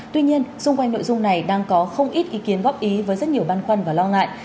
tuy nhiên xung quanh nội dung này đang có không ít ý kiến góp ý với rất nhiều băn khoăn và lo ngại